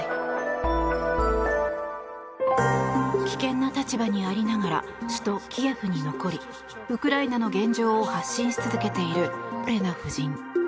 危険な立場にありながら首都キエフに残りウクライナの現状を発信し続けているオレナ夫人。